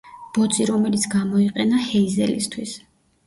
ბოძი, რომელიც გამოიყენა ჰეიზელისთვის.